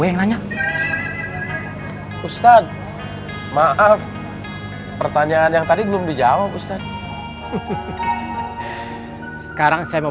yang nanya ustadz maaf pertanyaan yang tadi belum dijawab ustadz sekarang saya mau